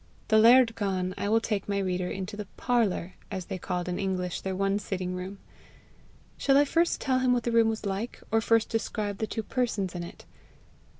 The laird gone, I will take my reader into the PARLOUR, as they called in English their one sitting room. Shall I first tell him what the room was like, or first describe the two persons in it?